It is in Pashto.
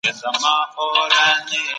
د طبیعي زیرمو ساتنه د ټولو دنده ده.